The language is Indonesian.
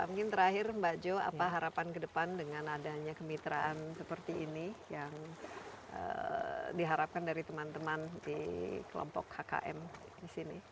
mungkin terakhir mbak joe apa harapan ke depan dengan adanya kemitraan seperti ini yang diharapkan dari teman teman di kelompok hkm di sini